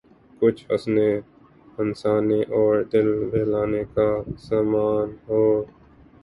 کچھ ہنسنے ہنسانے اور دل بہلانے کا سامان ہو۔